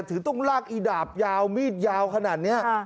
ถึงต้องลากอีดาบยาวมีดยาวขนาดนี้